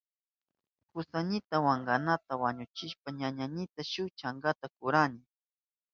Kusaynika wankanata wañuchishpan ñañaynita shuk chankata kurkani.